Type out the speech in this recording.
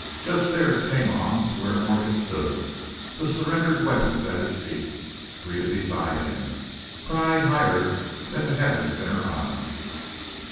Judge Thayer came on to where Morgan stood, the surrendered weapons at his feet, Rhetta beside him, pride higher than the heavens in her eyes.